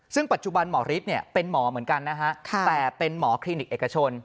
ซึ่งปัจจุบันหมอฤทธิ์เนี่ยเป็นหมอเหมือนกันนะฮะแต่เป็นหมอคลินิกเอกชน